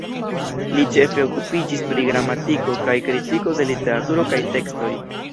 Li ĉefe okupiĝis pri gramatiko kaj kritiko de literaturo kaj tekstoj.